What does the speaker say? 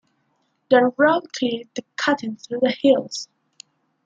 The road cleared the cutting through the hills.